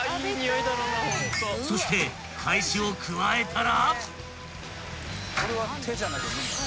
［そしてかえしを加えたら］